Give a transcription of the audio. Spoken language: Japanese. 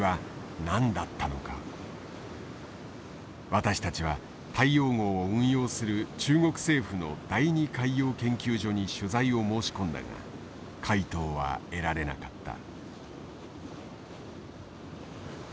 私たちは大洋号を運用する中国政府の第二海洋研究所に取材を申し込んだが回答は得られなかった。